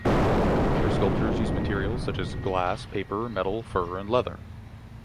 Her sculptures use materials such as glass, paper, metal, fur, and leather.